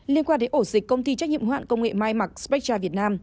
liên quan đến ổ dịch công ty trách nhiệm hoạn công nghệ mai mạc spectra việt nam